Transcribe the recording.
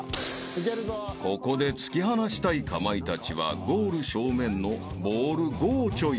［ここで突き放したいかまいたちはゴール正面のボール５をチョイス］